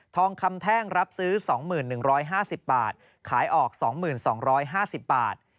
ทองคำแท่งรับซื้อ๒๑๕๐บาทขายออก๒๒๕๐บาท